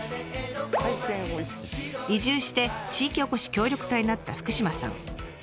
移住して地域おこし協力隊になった福島さん。